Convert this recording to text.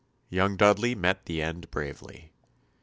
Young Dudley met the end bravely.